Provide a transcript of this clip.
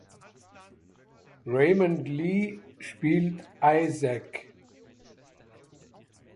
Raymond Lee spielt Isaac.